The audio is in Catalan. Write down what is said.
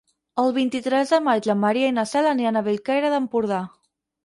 El vint-i-tres de maig en Maria i na Cel aniran a Bellcaire d'Empordà.